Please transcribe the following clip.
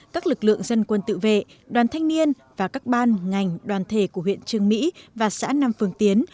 các lực lượng dân quân tự vệ đoàn thanh niên và các ban ngành đoàn thể của huyện trường mỹ và xã nam phương tiến